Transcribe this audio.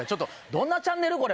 どんなチャンネル？